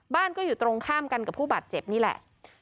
บ้านก็อยู่ตรงข้ามกันกับผู้บาดเจ็บนี่แหละ